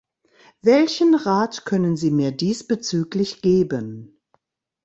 Welchen Rat können Sie mir diesbezüglich geben?